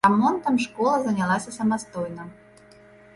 Рамонтам школа занялася самастойна.